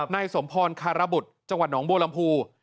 นายสมพรคารบุตรจังหวัดหนองบัวลำพู